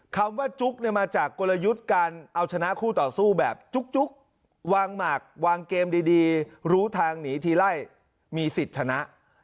คำว่าจุ๊กเนี่ยมาจากกลยุทธ์การเอาชนะคู่ต่อสู้แบบจุ๊กวางหมากวางเกมดีรู้ทางหนีทีไล่มีสิทธิ์ชนะ